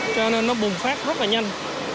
cho nên nó bùng phát rất là nhanh